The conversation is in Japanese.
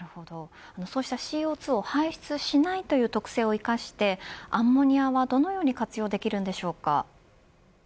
そうしたＣＯ２を排出しないという特性を生かしてアンモニアはどのように活用できるのでしょうか。